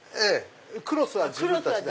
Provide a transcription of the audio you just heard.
クロスは自分たちで。